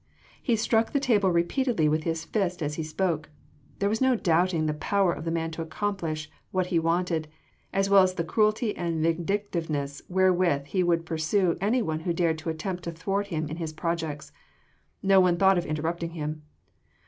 He struck the table repeatedly with his fist as he spoke: there was no doubting the power of the man to accomplish what he wanted, as well as the cruelty and vindictiveness wherewith he would pursue anyone who dared to attempt to thwart him in his projects. No one thought of interrupting him.